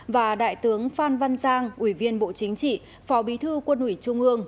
và đại tướng phan văn giang ủy viên bộ chính trị phó bí thư quân ủy trung ương